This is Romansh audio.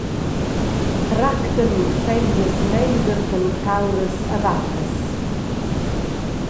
Tractan lur femnas mender che lur cauras e vaccas.